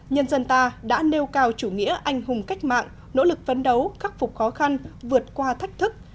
nhân dân ta đã nêu cao chủ nghĩa anh hùng cách mạng nỗ lực phấn đấu khắc phục khó khăn vượt qua thách thức